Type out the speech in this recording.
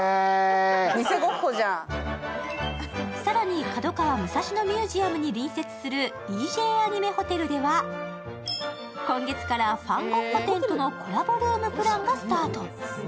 更に角川武蔵野ミュージアムに隣接するＥＪアニメホテルでは、今月から「ファン・ゴッホ展」とのコラボルームプランがスタート。